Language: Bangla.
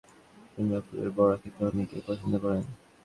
কুমড়া ফুলের বড়া খেতে অনেকেই পছন্দ করেন।